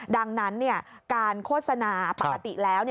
ดังนั้นการโฆษณาปกติแล้ว